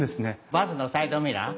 バスのサイドミラー。